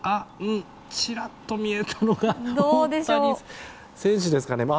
ちらっと見えたのが大谷選手ですかね？